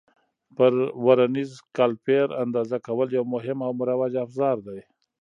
پر ورنیز کالیپر اندازه کول یو مهم او مروج افزار دی.